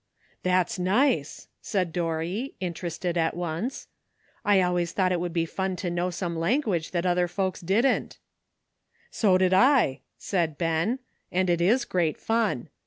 " That's nice," said D^orry, interested at once ;*^ I always thought it would be fun to know some language that other folks didn't/' " So did I," said Ben, ''and it is great fun.